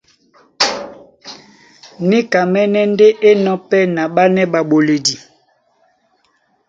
Níkamɛ́nɛ́ ndé é enɔ̄ pɛ́ na ɓánɛ́ ɓaɓoledi.